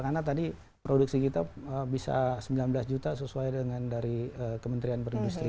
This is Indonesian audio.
karena tadi produksi kita bisa sembilan belas juta sesuai dengan dari kementerian perindustrian